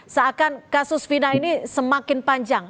seakan kasus fina ini semakin panjang